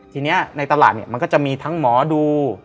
ทีนี้ในตลาดเนี่ยมันก็จะมีทั้งหมอดู